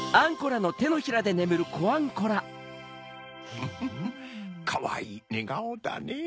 フフフかわいいねがおだねぇ。